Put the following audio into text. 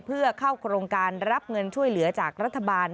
เพื่อเข้าโครงการรับเงินช่วยเหลือจากรัฐบาล